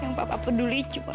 yang papa peduli cuma